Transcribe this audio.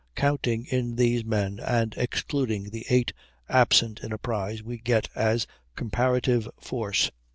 Counting in these men, and excluding the 8 absent in a prize, we get as COMPARATIVE FORCE.